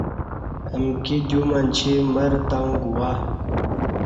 امکی دیو منچی مر تاوں گواہ